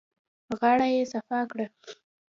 غاړه يې صافه کړه.